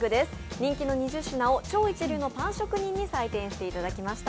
人気の２０品を超一流パン職人の採点していただきました。